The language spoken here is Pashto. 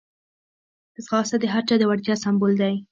ځغاسته د هر چا د وړتیا سمبول دی